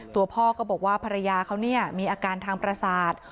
ตัวพ่อก็บอกว่าภรรยาเขามีอาการทางประสาท